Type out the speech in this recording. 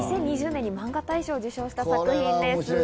２０２０年にマンガ大賞を受賞した作品です。